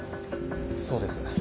そうです。